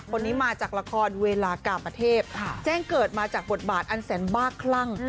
คนนี้มาจากละครเวลากาปเทพแจ้งเกิดมาจากบทบาทอันแสนบ้าคลั่ง